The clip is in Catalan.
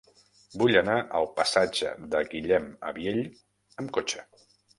Vull anar al passatge de Guillem Abiell amb cotxe.